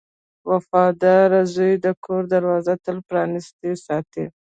• وفادار زوی د کور دروازه تل پرانستې ساتي.